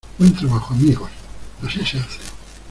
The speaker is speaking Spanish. Buen trabajo, amigos. Así se hace .